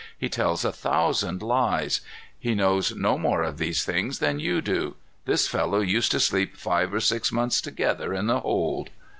He tells a thousand lies. He knows no more of these things than you do. This fellow used to sleep five or six months together in the hold."